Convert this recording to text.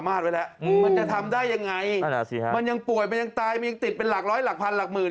มันยังป่วยมันยังตายมันยังติดเป็นหลากร้อยหลากพันหลากหมื่น